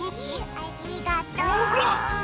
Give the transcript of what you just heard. ありがとう！ほら！